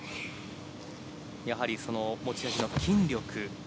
やはり持ち味の筋力。